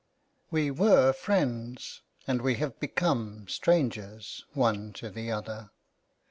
" We were friends and we have become strangers " one to the other.